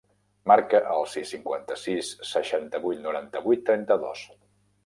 Marca el sis, cinquanta-sis, seixanta-vuit, noranta-vuit, trenta-dos.